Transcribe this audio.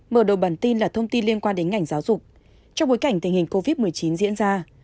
mở đầu bản tin là thông tin liên quan đến ngành giáo dục trong bối cảnh tình hình covid một mươi chín diễn ra